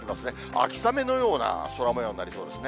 秋雨のような空もようになりそうですね。